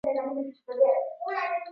omhusisha na ghasia za baada ya uchaguzi